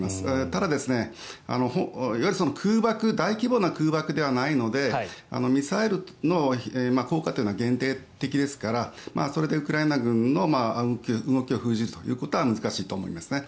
ただ、いわゆる大規模な空爆ではないのでミサイルの効果というのは限定的ですからそれでウクライナ軍の動きを封じるということは難しいと思いますね。